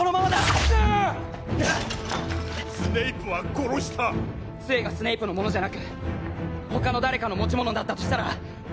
タアーッスネイプは殺した杖がスネイプのものじゃなく他の誰かの持ち物だったとしたら？